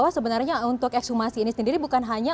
sebenarnya untuk ekshumasi ini sendiri bukan hanya